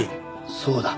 そうだ。